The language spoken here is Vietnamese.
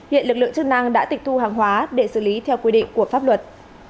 hiện lực lượng chức năng đã tịch thu hàng hóa để xử lý theo quy định của pháp luật